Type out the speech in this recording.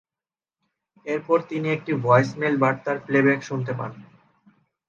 এরপর তিনি একটি ভয়েসমেইল বার্তার প্লেব্যাক শুনতে পান।